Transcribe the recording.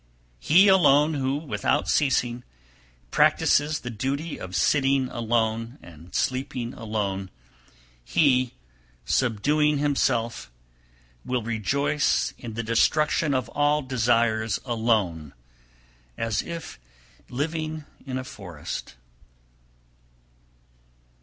305. He alone who, without ceasing, practises the duty of sitting alone and sleeping alone, he, subduing himself, will rejoice in the destruction of all desires alone, as if living in a forest.